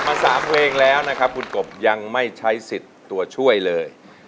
ก็ผ่านมา๓เพลงแล้วคุณกบยังไม่ใช้สิทธิ์ตัวช่วยเลย